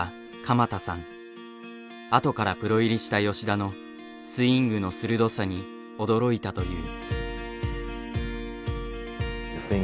あとからプロ入りした吉田のスイングの鋭さに驚いたという。